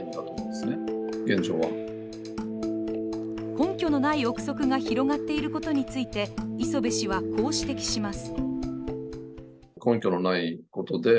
根拠のない臆測が広がっていることについて磯部氏は、こう指摘します。